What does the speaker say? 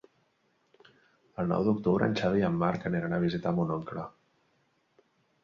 El nou d'octubre en Xavi i en Marc aniran a visitar mon oncle.